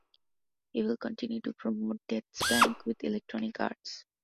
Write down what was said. He will continue to promote "DeathSpank" with Electronic Arts.